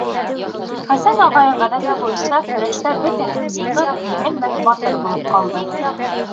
Хәсән ағай, ғәҙәте буйынса, көрәштә бөтәһен йығып, еңелмәҫ батыр булып ҡалды.